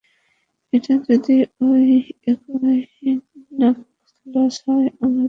এটা যদি ওই একই নাকলস হয়, আমরা তাহলে গেছি।